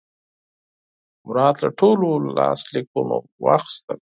مراد له ټولو لاسلیکونه واخیستل.